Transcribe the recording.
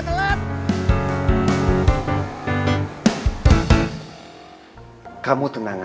tunggu mau teman bagsu